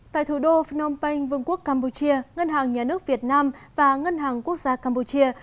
tại thủ đô phnom penh vương quốc campuchia ngân hàng nhà nước việt nam và ngân hàng quốc gia campuchia